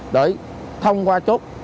để thông qua chốt